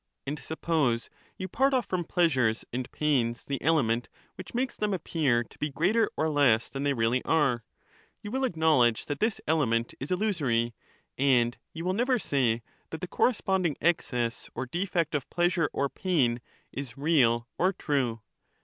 And suppose you part off from pleasures and pains the element which makes them appear to be greater or less than they really are : you will acknowledge that this element is illusory, and you will never say that the corresponding excess or defect of pleasure or pain is real or true.